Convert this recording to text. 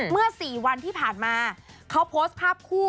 เมื่อ๔วันที่ผ่านมาเขาโพสต์ภาพคู่